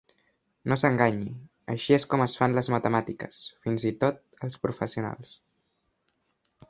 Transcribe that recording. No s'enganyi; així és com es fan les matemàtiques, fins i tot els professionals.